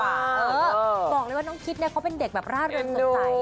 บอกเลยว่าน้องคิดเนี่ยเขาเป็นเด็กแบบร่าเริงสดใส